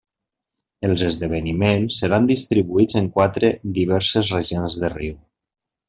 Els esdeveniments seran distribuïts en quatre diverses regions de Riu.